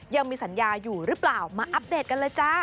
ยังมีสัญญาอยู่หรือเปล่ามาอัปเดตกันเลยจ้า